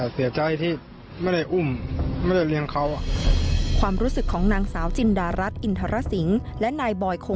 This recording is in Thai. พูดไม่สูญ